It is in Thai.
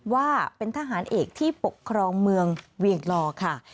ว่าเป็นทหารเอกที่ปกครองเมืองเวียงลอค่ะ